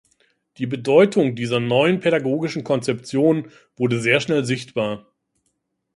Die Bedeutung dieser neuen pädagogischen Konzeption wurde sehr schnell sichtbar.